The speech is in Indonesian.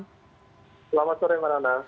selamat sore mbak nana